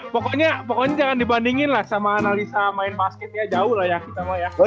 pokoknya pokoknya jangan dibandingin lah sama analisa main basket ya jauh lah ya kita mau ya